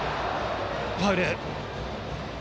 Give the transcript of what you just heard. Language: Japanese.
ファウル。